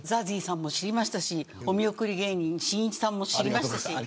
ＺＡＺＹさんも知りましたしお見送り芸人しんいちさんも知りましたし。